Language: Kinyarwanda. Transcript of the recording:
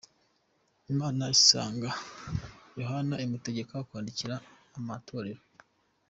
Imana isanga Yohana imutegeka kwandikira amatorero.